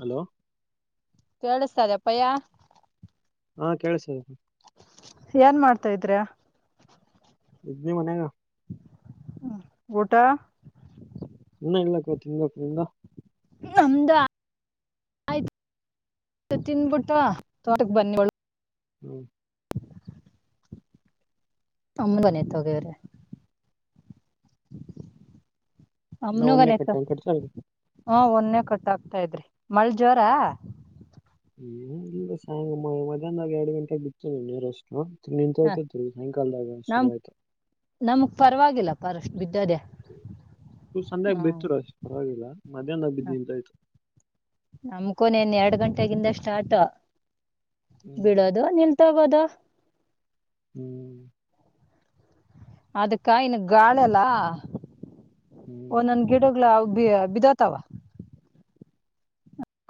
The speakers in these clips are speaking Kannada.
ಹಲೋ ಕೆಳಿಸ್ತದೆ ಅಪ್ಪಯ್ಯ ಹಾ ಕೇಳಸದ ಏನ್ ಮಾಡ್ತಾ ಇದ್ರ. ಇಡ್ನ ಮನೆಗ ಊಟಾ ಇಲ್ಲ ತೀ ನಿಂದು. ನಮ್ದ ತಿನ್ಬಿಟ್ಟ ತೋಟಕ್ ಬನ್ನಿ ಒಳು ಹ್ಮ್ ಅಮ್ಮನಯತೋದೇವರೇ ನಾ ಒನ್ನೆ ಅಮನಗನತ ಕಟ್ಟ ಕಟ್ಸ ಹ ಒನ್ನೆ ಕೊಟ್ಟ ಹತ ಇದ್ರಿ ಮಳೆ ಜೋರ. ಹ ಏನಿಲ್ಲ ಮಧ್ಯಾಹ್ನ ಎರಡು ಗಂಟೆಗೆ ಬಿತ್ತು ನೀ ನೀರಷ್ಟು ಹ ನಿಂತುಯ್ತ ಸಾಯಂಕಾಲದಾಗ ನಮ್ ಶುರು ಆಯ್ತ. ಬಿಿದ್ದಾದ. ಸಧ್ಯಾಗ ಬಿತರು ಅಷ್ಟ ಪರವಾಗಿಲ್ಲ ಮಧ್ಯಾಹ್ನ ಬಿದ್ದುಂತ ಆಯ್ತು. ನಮ್ಕೊನನ್ ಎರಡ್ ಗಂಟೆಗಿಂದ ಸ್ಟಾರ್ಟ ಹ್ಮ್ ಬಿಡೋದು ನಿಲ್ ಮುತವದ ಹ್ಮ್ ಅದಕ್ಕ ಇಲ್ಲಿ ಗಾಳೆಲ್ಲ ಹ್ಮ್ ಒಂದೊಂದ ಗಿಡ. ಬಿದತವಾ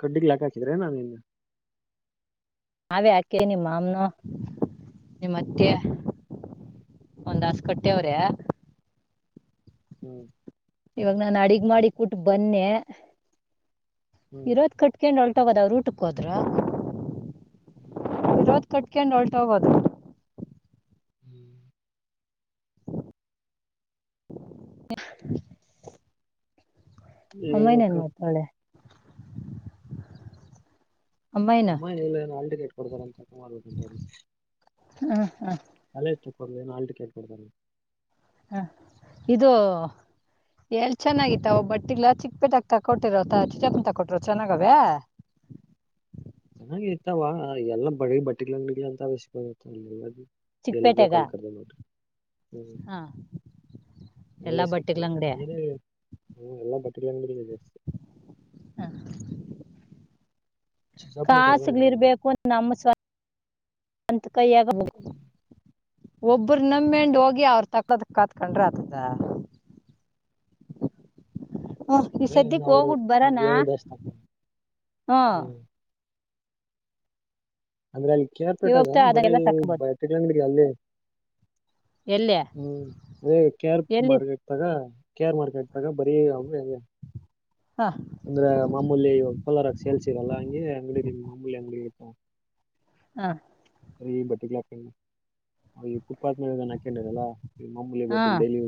ಕಡ್ಡಿಗ್ಲಾಕಕ್ ಹಾಕಿದ್ರೆ ನಾನ ಇನ್ ನಾವೇ ಯಾಕೆ ನಿಮ್ಮ ಮಾಮನ ನಿಮ್ಮತ್ತೆ ಹ್ಮ್ ಒಂದಾಸ ಕಟ್ಟೆವ್ರೆ ಹ್ಮ್ ಇವಾಗ ನಾಾನು ಅಡಗ್ ಮಾಡಿ ಕುೂಟ್ ಬನ್ನೆ ಇರೋದ ಕಟ್ಕೊಂಡಳ್ ೋಗೋದ ಅವ್ರ ಊಟಕ್ಕೆ ಹೋದ್ರ [inaudible] ತೊಟ್ಕೊಂಡು ಹೊಲ್ಟ ಹೋಗೋದು [inaudible] ಯೇ ಅಮ್ಮಾಯನ ಹೇಳ್ಬೇಕ ಎನ್ ಮಾಡತಾಆವ್ಳೆ ಅಮ್ಮಾಯಿನ ಅಮ್ಮಾ ಹೇಳಲ್ಲ ಆಲ್ಟ ಕೇಟ್ ಕೊಡ್ತಾರ ತಕ್ಕ ಮಾಡಾರಂದರು ಹ್ಮ ಹ್ಮ ಕಾಲೇಜ್ ತ ಕೊ ಆಲ್ಟ ಕೇಟ್ ಕೊಡ್ತಾರ ಹಾ ಇದು ಎಲ್ ಚೆನ್ನಾಗಿತ್ತ ಅವ ಬಟ್ಟಿಲ್ಲ ಚಿಕ್ಕಪೇಟೆಗ ತಕೊಟ್ಟಿರ ಚಿಟಾಕ ತಕೊಟ್ಟಿರೋ ಚೆನ್ನಾಗವೇ ಚೆನ್ನಾಗಿ ಇತಾವ ಎಲ್ಲ ಬ ಬಟ್ಟಿಂಗಡಿ ಅಂತ ಸಿ ಬಲ್ಲ ಎಲ್ಲಿಗ್ ಚಿಕ್ಕಪೇಟೆಗ ಬಕ್ಲ್ಕರ್ದ ನೋಡಿ ಹ್ಮ್ ಹಾ ಎಲ್ಲಾ ಮಜಸ್ಕ್ತ ಬಟ್ಟಿಗಳ ಅಂಗಡಿ ಅ ಎಲ್ಲ ಬಟ್ಟಿ [unintelligible] ಹಾ ಚಿಕ್ಕಪ್ಪನ ಕರ್ದ ಮಜಾ ನೋಡಿ ಕಾಸುಗಳಿರ್ಬೇಕು ನಮ್ಮ ಸ್ವ ಕೈಯಾಗ ಒಬ್ಬರು ನಮ್ಮೆಂಡ್ ಹೋಗಿ ಅವ್ರ ತಕ್ಕದ ಕಾತ್ಕೊಂಡ್ರ ಆತದ [inaudible] ಹ್ಮ್ ಈ ನ್ ಸದ್ಯಕ್ ಅವ್ರ ಹೋಗ್ಬಿಟ್ ಬರಣ ಏಳ್ ದಷ್ಟ ತಕ ಹ್ಮ್ ಅಂದ್ರೆ ಅಲ್ಲಿ ಕ ಆರ್ ಪೇಟೆ ಅದ ಇವಾಗ ಬರೀ ಅದೆಲ್ಲ ಬ ತಕೊಬೋದು ತಿಂಗಡಿಿಗೆ ಅಲ್ಲಿ ಎಲ್ಲಿ ಹ್ಮ್ ಅದೇ ಕೇರ್ ಎಲ್ಲಿ ಮಾರ್ಕೆಟ್ ತಗ ಕೇರ್ ಮಾರ್ಕೆಟ್ ಸಗ ಬರಿ ಹೇ ಅವೆ ಅವೆ ಹಾ. ಅಂದ್ರ ಮಾಮೂಲಿ ಇವಾಗ ಪಲರಕ್ ಸೇಳ್ಸಿರಲ್ಲ ಹಗೆ ಅಂಗಡಿ ಮಾಮ್ಮೂಲಿ ಅಂಗಿಗೆ ಇತ ಹಾ ಸ ಈ ಬಟ್ಟ ಕಲಾ ಉಪಾತ್ಮ ಹಾಕಲ್ಲಮ್ಮೂಲಿ ಬ ಡೈಲಿ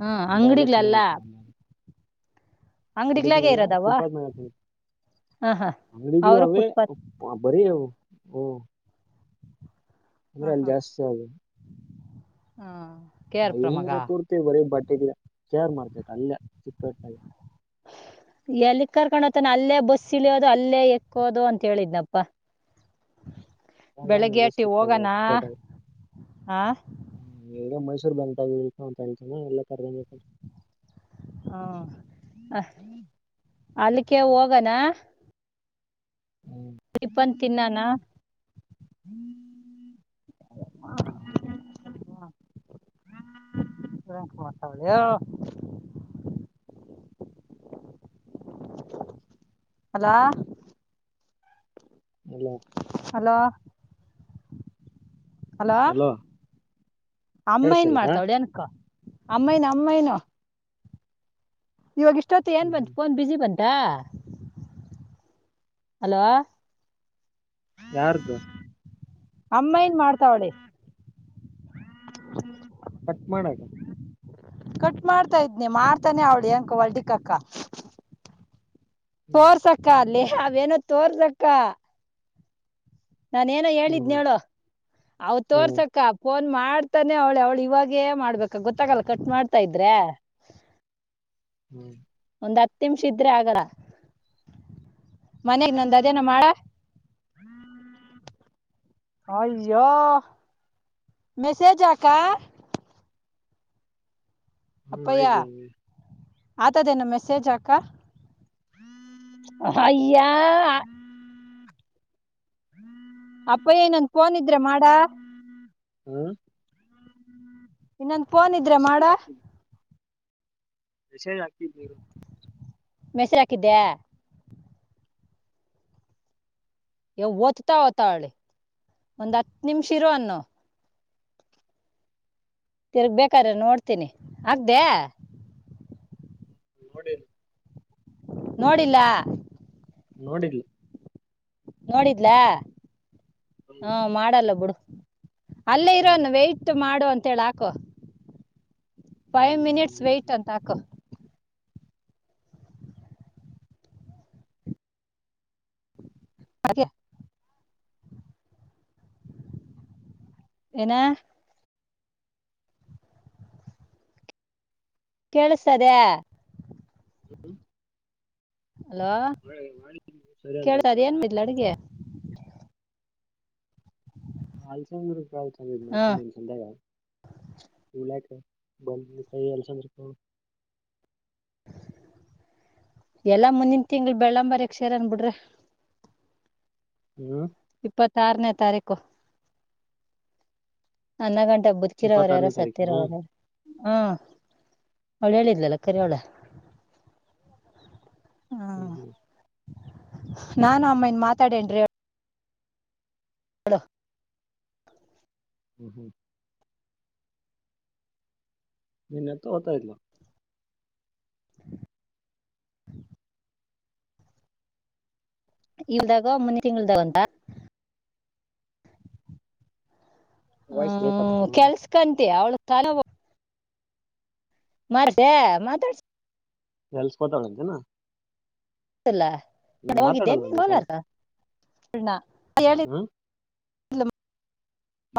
ಹ್ಮ ಅಂತಾವೆಲ್ಲ ಅಂಗಡಿಲ್ಲಲ್ಲ ಮಡುಿಕಲಲ್ಲ ಇರೋದವ ಫುಟ್ಪಾತ್ ನ ಹಾ ಹಾ ಆಂಗಡಿಲ ಅವರು ಫುಟ್ಪಾತ್ ಹ ಭರಿ ಹ ಅಂದ್ರೆ ಹಾ ಅಲ್ಲಿ ಹಾ ಜಾಸ್ತಿ ಆದು ಹಾ ಕೆ ಹಾ ಆರ್ ಪುರಮಗ ಹೆಂಗ್ರೆ ಪೂರ್ತ ಬರೀ ಬಟ್ಟೆಗ್ ಶೇರ್ ಮಾರ್ಕೆಟ್ ಅಲ್ಲ ಚಿಕ್ಕರ್ಗ [inaudible] ಎಲ್ಲಿ ಕರ್ಕೊಂಡತಾನ ಅಲ್ಲೇ ಬಸ್ ಇಳಿಯೋದು ಅಲ್ಲೇ ಎಕ್ಕೋದು ಅಂತ ಹೇಳಿದನಪ್ಪ [inaudible] [unintelligible] ಹೋಗಣ ಆ ಮೈಸ್ ಬಂತ ಅಂತತನ ಎಲ್ಲ ಕರ್ದೊಂಡರ್ತ ಹಾ ಅಲ್ಲಿಕ್ಕೆ ಹೋಗನಾ ಹ್ಮ್ ಇಪ್ಪನ್ ತಿನ್ನಾನ [inaudible] [unintelligible] ಅಲೋ ಅಲ್ಲ ಹಲೋ ಅಲೋ ಅಮ್ಮ ಏನ್ ಕೇಳಸಿಲ್ಲ ಮಾಡ್ತಾವಳ ಅನಕ ಅಮ್ಮಾಯನ ಅಮ್ಮಾಯನು ಇವಾಗ ಇಷ್ಟೊತ್ತು ಏ ಹ್ಮ್ ಹ್ಮ್ ಬತ್ ೋನ್ ಬಿಸಿಿ ಬಂತು ಹಲೋ ಯಾರ್ದು ಅಮ್ಮ ನ್ ಮಾಡ್ತಾವಳೆ ಹ್ಮ್ ಕಟ್ ಮಾಡಗ ಕಟ್ ಮಾಡ್ತಾ ಇದ ಇದ್ನಿ ಮಾಡ್ತಾನೆ ಅವಳ ಅಕ ಹೊಲ್ಡಿಕ್ಕಕ್ಕ ಹ್ಮ್ ತೋರ್ಸಕ್ಕ ಅಲ್ಲಿ ಅವೇನ ತೋರ್ಸಕ್ಕ ನಾನ ಏನೋ ಹೇಳಿದ್ನ ಹ್ಮ್ ಹೇಳೇಳು ಅವ ಹ್ಮ್ ತೋರ್ಸಕ್ಕ ಫೋನ್ ನನ್ ಮಾಡ್ತಾನೆ ಅವಳೆ ಅವ್ಳು ಇವಾಗೇ ಮಾಡ್ಬೇಕ ಗೊತ್ತಾಗಲ್ಲ ಕಟ್ ಮಾಡ್ತಾ ಇದ್ರೆ ಹ್ಮ್ ಒಂದ್ ಹತ್ತು ನಿಮಿಷ ಇದ್ರೆ ಆಗಲ್ಲ ಮನೆಗ್ ನಂದು ಅದೇನ ಮಾಡ ಹಯ್ಯ ಮೆಸೇಜ್ ಆಕ ಹ್ಮ್ ಆಯ್ತ ಅಗೆ ಆತದೇನು ಮೆಸೇಜ್ ಹಾಕ ಅಯಯಾ ಅಪ್ಪಯ್ಯಏನಂದು ಫೋನ್ ಇದ್ರೆ ಮಾಡಾ ಹ್ಮ್ ಇನ್ನೊಂದು ಫೋನ್ ಇದ್ರೆ ಮಾಡ ಎಷ ಹಾಕರು ಮೆಸರ್ ಹಾಕಿದ್ದ್ಯಾ ಯ ಓ್ತ ಓತಾವಳಿ ಒಂದ್ ಹತ್ ನಿಮಿಷ ಇರುವ ಅನ್ನು ತಿರ್ಗ್ಬೇಕಾದ್ರೆ ನೋಡ್ತೀನಿ ಆಗ್ದ ನೋಡಿರಿ ನೋಡಿಲ್ಲ ನೋಡಿಡ್ಲು ನೋಡಿದ್ಲ ಹ್ಮ್ ಹಾ ಮಾಡಲ್ಲ ಬಿಡು ಅಲ್ಲೇ ಹ್ಮ್ ಇರೋನು ವೆಯ್ಟ ಮಾಡು ಅಂತೇಳ ಹಾಕೋ ಫೈವ್ ಮಿನಿಟ್ಸ್ ವೆಯ್ಟ ಹ್ಮ್ ಅಂತಾಕ ಹಾಗೆ ಏನ ಕೇಳಸದೆ ಹ್ಮ್ ಅಲೋ, ಸರಿ ಅಂತ ಹಾಕಿವಾಗ ಕೇಳಏನ್ ಮಿ [unintelligible] ದ್ಲ ಅಡ್ಗೆ ಆಸಪ್ಪು ಹ್ಮ್ ನಿನು ಚಂದ ತ [unintelligible] ಬಂದ ಕಾಯಿ ಎಲ್ಸಂದ್ರ ಎಲ್ಲಾ ಮುಂದಿನ ತಿಂಗಳ ಬೆಳ್ಳಂಬರಿಯಕ್ ಸೇರನ್ ಬಿಡ್ರಿ ಹ್ಮ್ ಇಪ್ಪತ್ತಾರನೇ ತಾರೀಕು ಅನ್ನ ಗಂಟೆ ಬತ್ಕಿರೋರ ಯಾರ ಇಪ್ಪತ್ತಾರನೇ ತಾರೀಕಿನ ಸತ್ತರವರ ಯಾರ ಹಾ ಅವಳು ಹೇಳಿದ್ದಲ್ಲಕ್ಕರೆ ಅವಳ ಹ್ಮ್ ಹ್ಮ್ ನಾನು ಅಮ್ಮನ್ ಮಾತಾಡೇನ್ ಹಲ [inaudible] ಹ್ಮ್ ಹ್ಮ್ [inaudible] ನಿನ್ನೆಂತ ಒದತಾಇದ್ಲು. [unintelligible] ಇಲ್ದಾಗ ಮುಂದೆ ತಿಂಗಳದಾಗ ಒಂದ. ವಾಯ್ಸ್ ಬ್ರೇಕ್ ಹ್ಮ್, ಆಗ್ತದೆ ನೋಡಿ ಕೆಲ್ಸಕಂತಿ ಅವ್ಳ ಮಾರ್ತ ಮಾತಾಡ್ಸ [unintelligible] ಎಲ್ಸ್ಕೋತಾಳಂತಿಲ್, - ಗಲ್ಲ ಹೋಗಿದ್ದೇ ನೀ ನನ್ನ ಬಲಾರಣ [unintelligible] ಹ್ಮ [inaudible] ಇಲ್ಲಮ್ಮ [inaudible]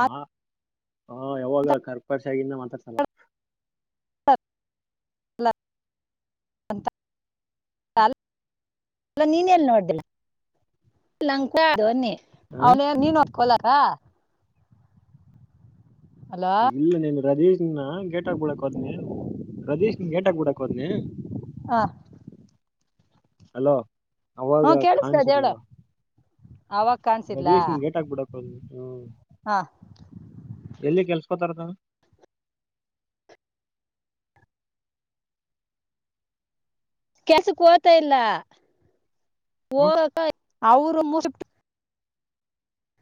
ಮಾ ಹ ಯಾವಾಗ [unintelligible] ಕರ್ಪರ್ಶ ಆಗಿಂದ ಮಾತಾಡ್ಸಲ್ಲ ಹ ಅಲ [inaudible] ಲ್ಲ ನೀನ ಎಲ್ಲಿ ನೋಡ್ದೆಲ್, ನ್ನ ಹ್ಮ್ ಅವನ ನೀನ್ ಹಡ್ಕೊಲಾರ [unintelligible] ಅಲೋ ಇಲ್ಲ ನೀನ್ ರದೀಶ್ನ ಗೇಟ್ ಆಗ್ಬಿಡಕ್ ಹೋದ್ನಿ, ರದೀಶ್ನ ಗೇಟ್ ಆಗ್ಬಿಡಕ್ ಹೋದ್ನಿ. ಹಾ [inaudible] ಅಲೋ, ಅವಾಗ ಕೇಳಿಸ್ತದ ಹೇಳು ಕಾಣಸಿಲ್ಲೇಳವ ಅವಾಗ ಅದ ಕಾಣ್ಸಿದ್ಲ ದೇಶನ್ ಗೇಟ್ ಹಕ್ಬಿಡಕ್ು ಅ ಹ್ಮ [unintelligible] ಹ ಎಲ್ಲಿ ಕೆಲ್ಸಕೋತಾರ ಅಣ್ಣ. ಕೆಲ್ಸಕ್ ಹೋಗತಾ ಇಲ್ಲ ಹ್ಮ್ ಹೋಗಕ ಅವರು ಮುಸ [unintelligible]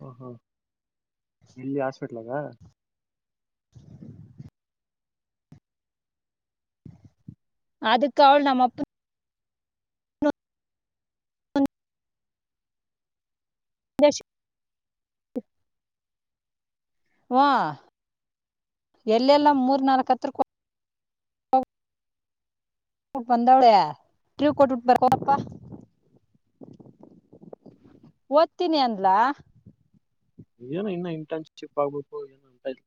ಹಾ, ಹಾ ಎಲ್ಲಿ ಹಾಸ್ಪಿಟಲಾಗ. ಅದಕ ಅವಳ್ ನಮ್ಮ ಅಪ್ಪ್, ದಶ [inaudible] ಹ್ಒಎಲ್ಲೆಲ್ಲಾ ಮೂರ್ ನಾಲ್ಕ ಹತ್ರ ಕೊ ಕೋ [inaudible] -ಹೋಗು ಬಂದವಳೇ, ಕೀ ಕೊಟ್ಟು -ಬಿಟ್ಟು ಬಾರೋಗ ಪ್ಪಾ, ಒದ್ತಿನಿ ಒಂದಲ್ಲಾ! -ಏನ ಇನ್ನು ಇಂಟರ್ನ್ಶಿಪ್ ಆಗ್ಬೇಕು ಏನ ಅಂತಾಇದ್ಲ್.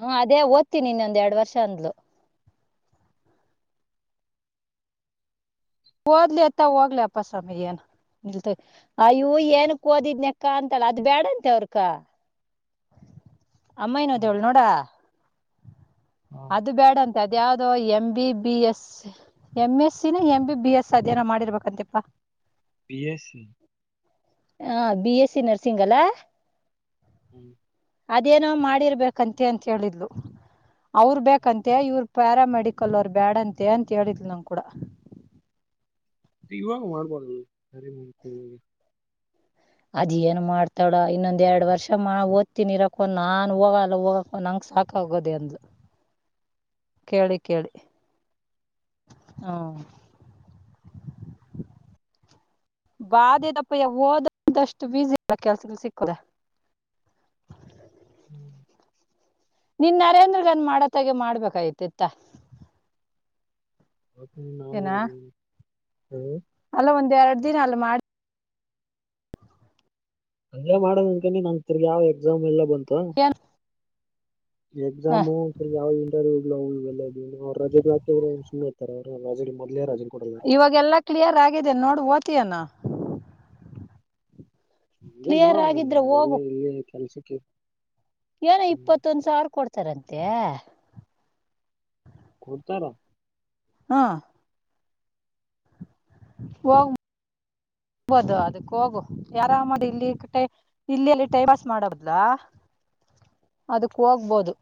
ಹಾ, ಅದೇ ಓದ್ತೀನಿ ಇನ್ನೊಂದ್ ಎರಡ್ ವರ್ಷ ಅಂದ್ಲು ಓದ್ಲಿ ಅತ್ತ ಹೋಗ್ಲಿ ಅಪ್ಪ ಸ್ವಾಮಿ ಏನು, ಇಲ್ತಗ ಅಯ್ಯೂ ಏನಕ್ ಓದಿದ್ನಕ್ಕ ಅಂತಲ್ಲ ಅದ್ ಬ್ಯಾಡಂತೀವಿ ಅಕ್ಕಾ, ಅಮ್ಮ ಎಲ್ ಹ್ಮ್ ಹೋದ್ಲು ನೋಡ [unintelligible] ಹಾ -ಅದು ಬ್ಯಾಡ ಅಂತ ಅದ್ಯಾವುದು M, B, B, S M, S, C ಎನಾ ಎಂ, ಬಿ, ಬಿ, ಎಸ್ ಅದೇನೋ ಮಾಡಿರ್ಬೇಕಂತಪಾ. ಬಿಎಸ್ ಸಿ [inaudible] ಹಾ, ಬಿ, ಎಸ್, ಸಿ ನರ್ಸಿಂಗ್ ಅಲ್ಲ- [inaudible] ಅದೇನೋ ಮಾಡಿರ್ಬೇಕಂತೆ ಅಂತ ಹೇಳಿದ್ಲು. ಅವ್ರ ಬೇಕಂತೆ ಇವರು ಪ್ಯಾರ ಮೆಡಿಕಲ್ರು ಅವರ ಬ್ಯಾಡಂತೆ ಅಂತ ಹೇಳಿದ್ಲು ನಮ್ ಕೂಡ. [inaudible] ಇವಾಗ ಮಾಡಬಾರದಿತ್ತು ಪ್ಯಾರಾಮೆಡಿಕಲ್, ಅದೇನ್ ಮಾಡ್ತಾಳ ಇನ್ನೊಂದ್ ಎರಡ್ ವರ್ಷ ಅಮ್ಮ ಓದ್ತೀನಿ. ಇರಪ್ಪೋ ನಾನ್ ಹೋಗಲ್ಲ ಹೋಗಪಾ ನಂಗ ಸಾಕಾಗೋದೇ ಅಂದ್ಲು - [inaudible] ಕೇಳಿ- ಕೇಳಿ, ಹ್ಮ್ [inaudible] ಬಾದೆದಪ್ಪಯ್ಯ ಹೋದದಷ್ಟೇ ಈಜಿ ಇಲ್ಲ ಕೆಲಸ ಸಿಕ್ಕದ [inaudible] [unintelligible] ಹ ನಿನ್ನ ನರೇಂದ್ರಗನ್ ಮಾಡತ್ತಾಗ ಮಾಡ್ಬೇಕಾಯತಿತ್ತ ಹೂಗ ಏನ ಹ ಅಲ್ಲ ಒಂದಎರಡ್ ದಿನ ಅಲ್ ಮಾಡಿ ಅಲ್ಲೇ ಮಾಡಕ್ ಕುಂತೀನಿ ನಗಂತೂ ಯಾವ್ ಎಕ್ಸಾಮ್ ಎಲ್ಲ ಅವತ್ತು ಏನ್ ಹ, ಎಕ್ಸಾಮು ಆದರ ಯಾವ ಇಂಟರ್ವ್ಯೂ ಇಲ್ಲ ಇಲ್ಲ ಅವ್ ರಜೆ ಹಾಕಿದ್ರೆ ಸುಮ್ನಿರ್ತಾರ ಅವ ರಜೆ ಮೊದಲೇ ರಜೆ ಕೊಡಲ್ಲ ಇವಾಗೆಲ್ಲಾ ಕ್ಲಿಯರ್ ಆಗಿದೆ ನೋಡ್ ಓದುತಿಯೇನು ಏನೋ ಕ್ಲಿಯರ್ ಆಗಿದ್ರೆ ಹೋಗು ಎಲ್ಲಿ ಇ ಕೆಲಸಕ್ಕೆ ಏನೋ ಇಪ್ಪತ್ತೊಂದ ಸಾವಿರ ಕೊಡ್ತಾರಂತೆ ಕೊಡ್ತಾರಾ ಹಾ ಹೋಗ ಹ ಹೋಗಬೋದು ಅದಕ ಹೋಗು ಆರಾಮಾಗಿ ಇಲ್ಲಿ ಇಲ್ಲಿಯಲ್ಲಿ ಟೈಮ್ ಪಾಸ್ ಮಾಡೋಬಾಡ್ಲು ಹ ಅದಕ ಹೋಗಬಹುದು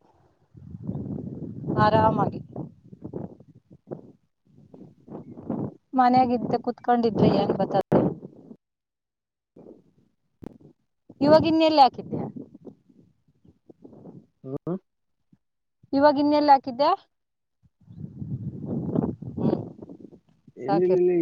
ಆರಾಮಾಗಿ ಹ ಮನೆಗಿದ್ದು ಕುತ್ಕೊಂಡಿದ್ರೆ ಏನ್ ಬರ್ತದ ಇವಾಗಿನ ಎಲ್ಲಿ ಹಾಕಿದ್ದೀಯಾ ಹು ಇವಾಗ ಇನ್ನೆಲ್ಲ ಹಾಕಿದ್ದೆ ಹು - ಏನು ಇಲ್ಲ ಇಲ್ಲಿ